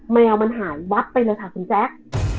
แมวมันหายวับไปเลยค่ะคุณแจ๊ค